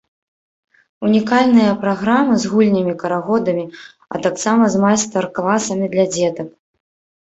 Унікальныя праграмы з гульнямі, карагодамі, а таксама з майстар-класамі для дзетак.